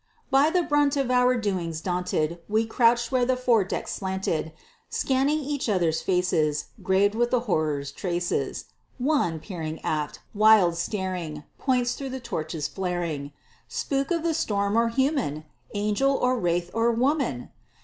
By the brunt of our doings daunted, We crouched where the fore deck slanted, Scanning each other's faces, Graved with that horror's traces. One, peering aft, wild staring, Points through the torches flaring: "Spook of the storm, or human? Angel, or wraith, or woman?"